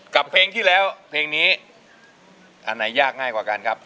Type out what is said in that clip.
กับเพลงที่แล้วเพลงนี้อันไหนยากง่ายกว่ากันครับ